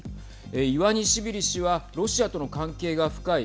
イワニシビリ氏はロシアとの関係が深い